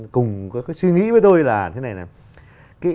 cùng suy nghĩ với tôi là thế này này